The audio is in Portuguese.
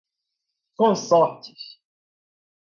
consortes